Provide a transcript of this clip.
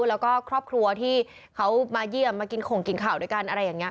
แล้วก็ครอบครัวที่เขามาเยี่ยมมากินข่งกินข่าวด้วยกันอะไรอย่างนี้